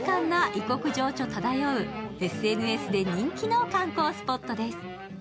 異国情緒ただようＳＮＳで人気の観光スポットです。